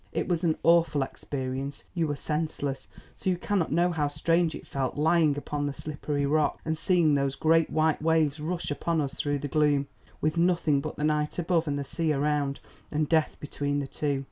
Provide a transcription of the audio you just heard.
It was an awful experience: you were senseless, so you cannot know how strange it felt lying upon the slippery rock, and seeing those great white waves rush upon us through the gloom, with nothing but the night above, and the sea around, and death between the two.